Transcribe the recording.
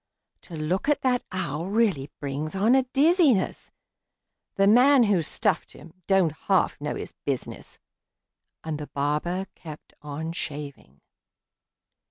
To look at that owl really brings on a dizziness; The man who stuffed him don't half know his business!" And the barber kept on shaving.